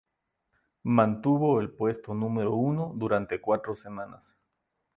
Mantuvo el puesto número uno durante cuatro semanas.